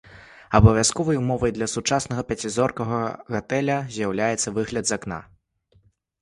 Абавязковай умовай для сучаснага пяцізоркавага гатэля з'яўляецца выгляд з акна.